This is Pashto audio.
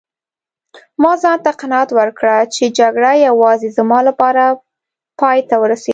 ما ځانته قناعت ورکړ چي جګړه یوازې زما لپاره پایته ورسیده.